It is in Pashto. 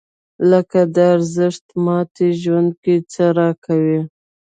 لکه دا ارزښت ماته ژوند کې څه راکوي؟